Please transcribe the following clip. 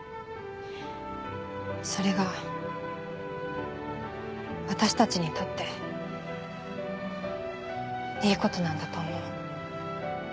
それが私たちにとっていいことなんだと思う。